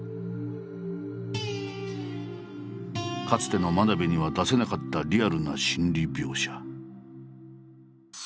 かつての真鍋には出せなかったリアルな心理描写。